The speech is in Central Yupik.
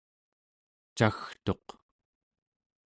cagtuq